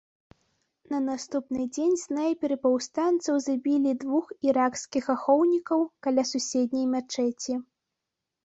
На наступны дзень снайперы паўстанцаў забілі двух іракскіх ахоўнікаў каля суседняй мячэці.